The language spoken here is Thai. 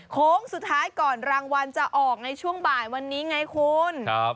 โค้งสุดท้ายก่อนรางวัลจะออกในช่วงบ่ายวันนี้ไงคุณ